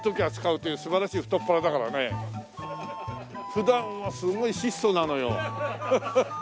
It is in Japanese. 普段はすごい質素なのよ。